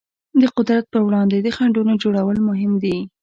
د قدرت پر وړاندې د خنډونو جوړول مهم دي.